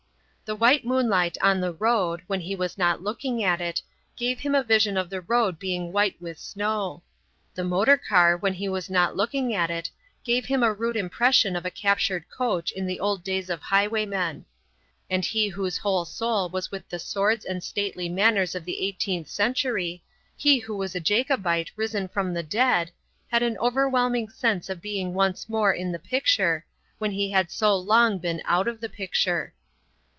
The white moonlight on the road, when he was not looking at it, gave him a vision of the road being white with snow. The motor car, when he was not looking at it, gave him a rude impression of a captured coach in the old days of highwaymen. And he whose whole soul was with the swords and stately manners of the eighteenth century, he who was a Jacobite risen from the dead, had an overwhelming sense of being once more in the picture, when he had so long been out of the picture.